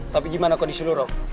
tapi gimana kok di seluruh